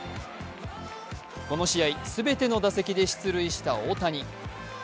この試合、全ての打席で出塁した大谷。